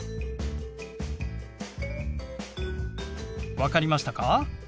分かりましたか？